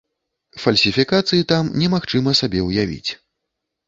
Фальсіфікацыі там немагчыма сабе ўявіць.